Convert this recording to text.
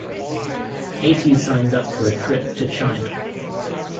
Katie signs up for a trip to China.